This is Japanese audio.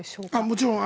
もちろん。